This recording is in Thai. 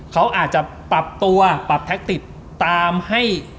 เขาอาจจะปรับตัวปรับแท็กติกตามให้